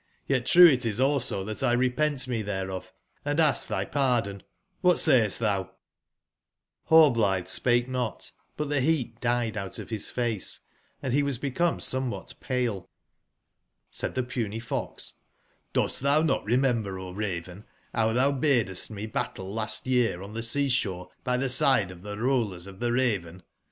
Yet true itis also tbatlrepentmetbercof, and ask tby pardon, ^bat say est tbou ?'' »^^dHLLBLX€ne spake not, but tbe beat died IJMK out of bis face and be was become somewbat ivA^J pale. Said tbe Puny fox: '*Dost tbou not remcmber^O Raven, bow tbou badestme battle last year on tbe sea/sbore by tbe side of tbe Rollers of tbe Raven